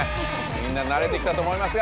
みんななれてきたと思いますが。